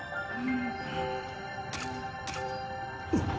うん？